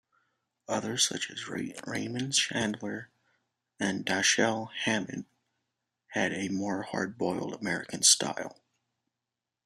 Others, such as Raymond Chandler and Dashiell Hammett, had a more hard-boiled, American style.